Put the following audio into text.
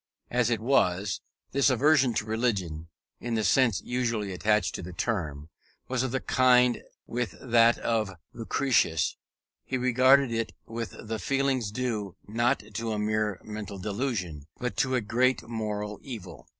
As it was, his aversion to religion, in the sense usually attached to the term, was of the same kind with that of Lucretius: he regarded it with the feelings due not to a mere mental delusion, but to a great moral evil.